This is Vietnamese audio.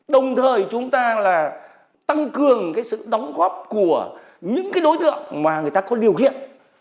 đồng thời chúng ta là tăng cường cái sự đóng góp của những cái đối tượng mà người ta có điều kiện